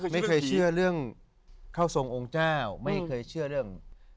ไม่เคยเชื่อเรื่องเข้าทรงองค์เจ้าไม่เคยเชื่อเรื่อง